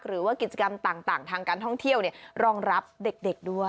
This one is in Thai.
หรือว่ากิจกรรมต่างทางการท่องเที่ยวรองรับเด็กด้วย